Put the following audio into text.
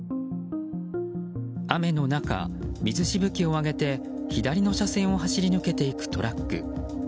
雨の中、水しぶきを上げて左の車線を走り抜けていくトラック。